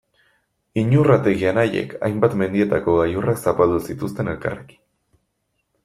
Iñurrategi anaiek hainbat mendietako gailurrak zapaldu zituzten elkarrekin.